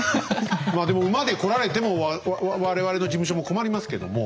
まあでも馬で来られても我々の事務所も困りますけども。